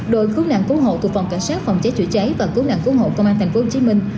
đội cứu nạn cứu hộ thuộc phòng cảnh sát phòng cháy chữa cháy và cứu nạn cứu hộ công an thành phố hồ chí minh